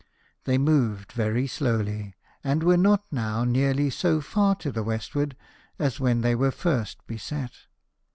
They moved very slowly, and were not now nearly so far to the westward as when they were first beset.